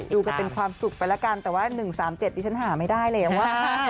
ดูกันเป็นความสุขไปแล้วกันแต่ว่า๑๓๗ดิฉันหาไม่ได้แล้ว